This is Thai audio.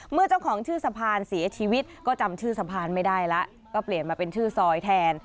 เมื่อเจ้าของชื่อสะพานเสียชีวิตก็จำชื่อสะพานไม่ได้แล้วก็เปลี่ยนมาเป็นชื่อซอยแทน